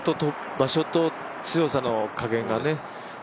場所と強さの加減がね。